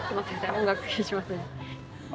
音楽消しますね